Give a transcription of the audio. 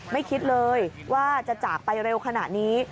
ไม่คิดเลยว่าจะจากไปเร็วขนาดนี้